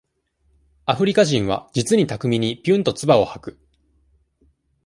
アフリカ人は、実に巧みに、ぴゅんとつばを吐く。